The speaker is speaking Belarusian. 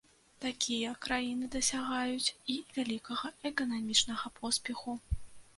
Такія краіны дасягаюць і вялікага эканамічнага поспеху.